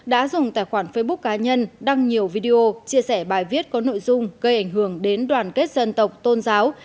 đã dùng tài khoản facebook cá nhân đăng nhiều video chia sẻ bài viết có nội dung gây ảnh hưởng đến đoàn kết dân tộc tôn giáo